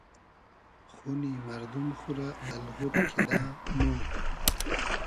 خونی مئردوم خو رۂ الغود کیدۂ مۉ